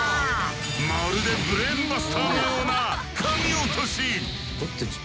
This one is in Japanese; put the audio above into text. まるでブレーンバスターのようなかみ落とし！